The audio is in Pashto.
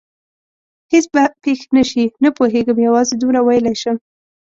هېڅ به پېښ نه شي؟ نه پوهېږم، یوازې دومره ویلای شم.